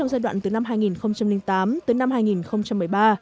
giai đoạn từ năm hai nghìn tám tới năm hai nghìn một mươi ba